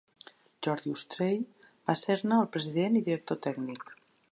Jordi Ustrell va ser-ne el president i director tècnic.